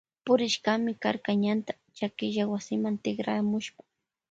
Purishkami karka ñanta chakilla wasima tikramushpa.